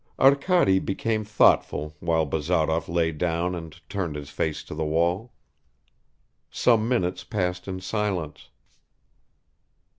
Arkady became thoughtful while Bazarov lay down and turned his face to the wall. Some minutes passed in silence.